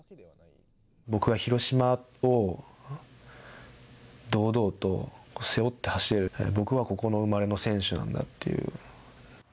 僕は広島を堂々と背負って走れる、僕は、ここの生まれの選手なんだっていう。